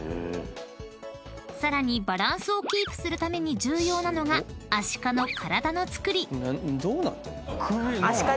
［さらにバランスをキープするために重要なのがアシカの体のつくり］